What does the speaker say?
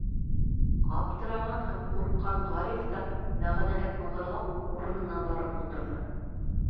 Аптыраған һәм ҡурҡҡан Ғариф та, мәғәнәһеҙ мығырлап, урынына барып ултырҙы.